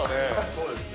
そうですね。